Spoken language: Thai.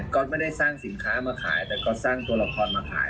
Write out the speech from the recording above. ก็ไม่ได้สร้างสินค้ามาขายแต่ก๊อตสร้างตัวละครมาขาย